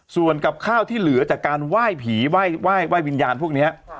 ส่วนกับข้าวที่เหลือจากการไหว้ผีไหว้วิญญาณพวกนี้